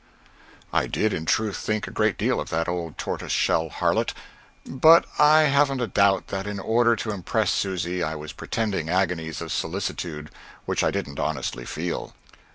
I did, in truth, think a great deal of that old tortoise shell harlot; but I haven't a doubt that in order to impress Susy I was pretending agonies of solicitude which I didn't honestly feel.